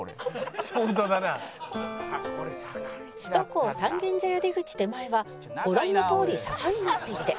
「首都高三軒茶屋出口手前はご覧のとおり坂になっていて」